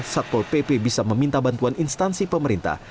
satpol pp bisa meminta bantuan instansi pemerintah